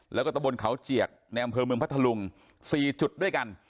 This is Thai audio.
แล้วก็ตะบนเขาเจียกในอำเภอเมืองพัทธลุง๔จุดด้วยกัน